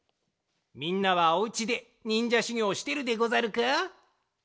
みんなはおうちでにんじゃしゅぎょうしてるでござるか？